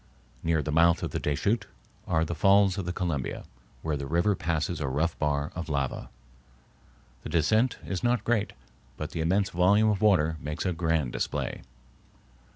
Near the mouth of the Deschutes are the Falls of the Columbia, where the river passes a rough bar of lava. The descent is not great, but the immense volume of water makes a grand display.